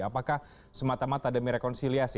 apakah semata mata demi rekonsiliasi